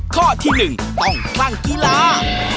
ข้อที่๑ต้องคลั่งกีฬา